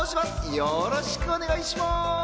よろしくお願いします。